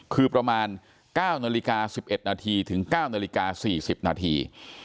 คือประมาณ๙นาฬิกา๑๑นาทีถึง๙นาฬิกา๔๐นาที